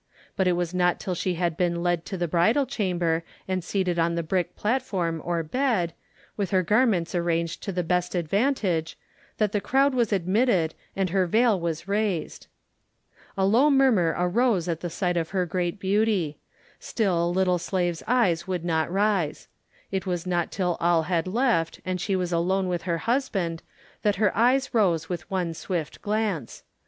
But it was not till she had been led to the bridal chamber and seated on the brick platform or bed, with her garments arranged to the best advantage, that the crowd was admitted and her veil was raised. A low murmur arose at the sight of her great beauty. Still little Slave's eyes would not rise. It was not till all had left and she was alone with her husband that her eyes rose with one swift glance.